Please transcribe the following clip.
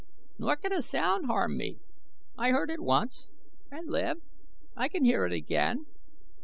Nor can a sound harm me. I heard it once and live I can hear it again.